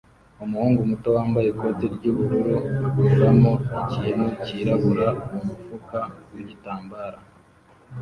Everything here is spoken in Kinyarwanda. Umuhungu muto wambaye ikoti ry'ubururu akuramo ikintu cyirabura mumufuka wigitambara